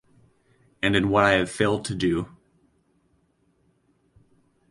and in what I have failed to do;